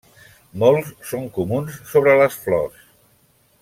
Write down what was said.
Molts són comuns sobre les flors.